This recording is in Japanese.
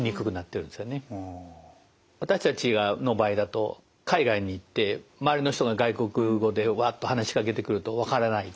私たちの場合だと海外に行って周りの人が外国語でわっと話しかけてくるとわからない。